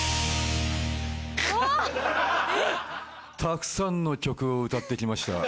たくさんの曲を歌って来ました。